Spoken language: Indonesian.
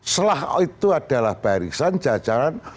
selah itu adalah barisan jajaran